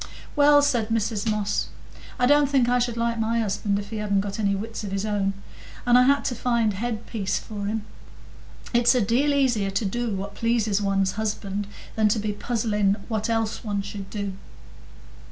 "Well," said Mrs Moss, "I don't think I should like my husband if he hadn't got any wits of his own, and I had to find head piece for him. It's a deal easier to do what pleases one's husband, than to be puzzling what else one should do."